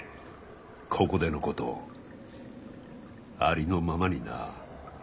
ここでのことをありのままにな。